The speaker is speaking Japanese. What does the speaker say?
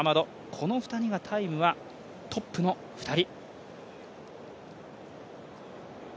この２人がタイムはトップの２人。